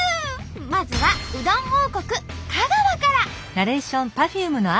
まずはうどん王国香川から。